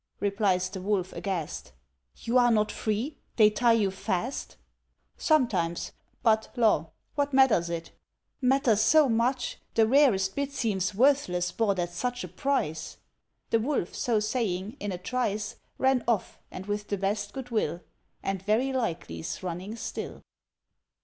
replies the Wolf, aghast; "You are not free? they tie you fast?" "Sometimes. But, law! what matters it?" "Matters so much, the rarest bit Seems worthless, bought at such a price." The Wolf, so saying, in a trice, Ran off, and with the best goodwill, And very likely's running still.